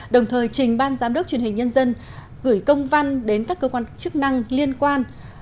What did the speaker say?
đồng thời trình ban giám đốc truyền hình nhân dân gửi công văn đến các cơ quan chức năng liên quan